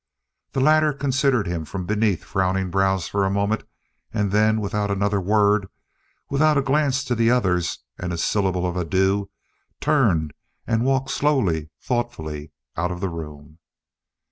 The latter considered him from beneath frowning brows for a moment and then, without another word, without a glance to the others and a syllable of adieu, turned and walked slowly, thoughtfully, out of the room.